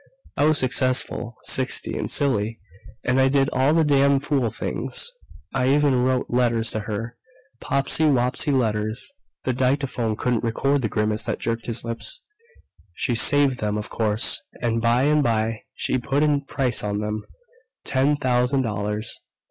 I was successful, sixty, and silly, and I did all the damn fool things I even wrote letters to her. Popsy wopsy letters." The dictaphone couldn't record the grimace that jerked his lips. "She saved them, of course, and by and by she put a price on them ten thousand dollars.